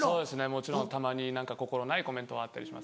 もちろんたまに心ないコメントはあったりしますね。